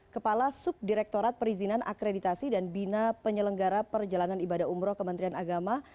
kepala subdirektorat perizinan akreditasi dan bina penyelenggara perjalanan ibadah umroh kementerian agama